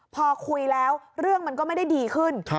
พอคุยแล้วเรื่องมันก็ไม่ได้ดีขึ้น